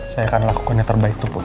saya akan lakukan yang terbaik tuh putri